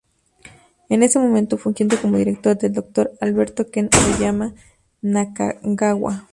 En ese entonces, fungiendo como director, el Dr. Alberto Ken Oyama Nakagawa.